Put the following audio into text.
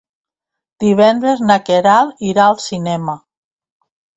Divendres na Queralt irà al cinema.